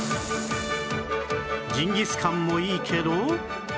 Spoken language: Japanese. ジンギスカンもいいけど